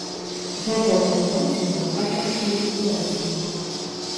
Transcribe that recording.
Гэтыя тэндэнцыі захоўваліся і ў верасні.